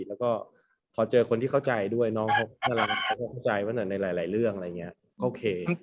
แล้วก็พอเจอคนที่เข้าใจด้วยน้องเขาก็เข้าใจว่าในหลายเรื่องอะไรอย่างนี้โอเค